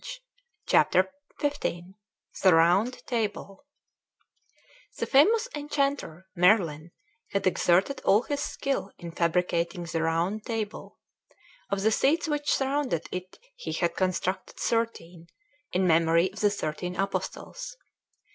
] CHAPTER XV THE ROUND TABLE The famous enchanter, Merlin, had exerted all his skill in fabricating the Round Table. Of the seats which surrounded it he had constructed thirteen, in memory of the thirteen Apostles.